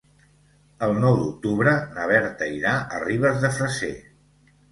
El nou d'octubre na Berta irà a Ribes de Freser.